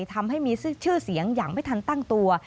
ทำให้มีชื่อเสียงอย่างไม่ทันตั้งตัว